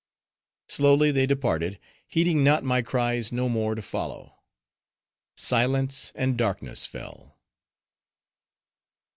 Slowly they departed; heeding not my cries no more to follow. Silence, and darkness fell.